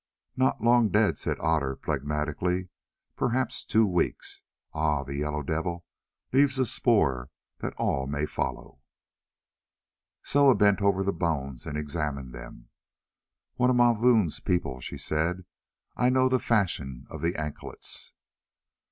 "Not long dead," said Otter phlegmatically, "perhaps two weeks. Ah! the Yellow Devil leaves a spoor that all may follow." Soa bent over the bones and examined them. "One of Mavoom's people," she said; "I know the fashion of the anklets."